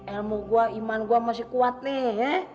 ilmu gue iman gue masih kuat nih ya